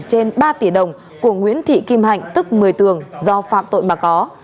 trên ba tỷ đồng của nguyễn thị kim hạnh tức một mươi tường do phạm tội mà có